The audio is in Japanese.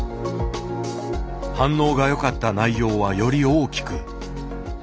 反応がよかった内容はより大きく。